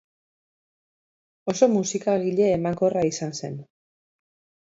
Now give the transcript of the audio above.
Oso musikagile emankorra izan zen.